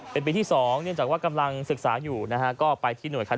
เป็นปีที่๒เนื่องจากว่ากำลังศึกษาอยู่นะฮะก็ไปที่หน่วยคัด